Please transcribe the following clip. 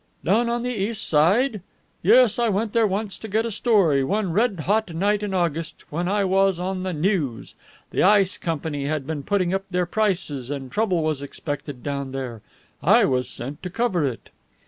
"Down on the East Side? Yes, I went there once to get a story, one red hot night in August, when I was on the News. The Ice Company had been putting up their prices, and trouble was expected down there. I was sent to cover it."